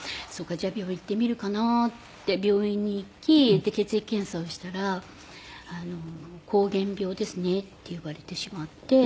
じゃあ病院行ってみるかなって病院に行き血液検査をしたら「膠原病ですね」って言われてしまって。